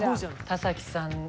田崎さん